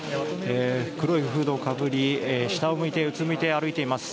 黒いフードをかぶり、下を向いてうつむいて歩いています。